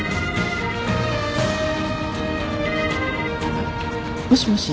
あっもしもし。